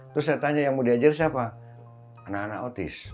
terus saya tanya yang mau diajar siapa anak anak autis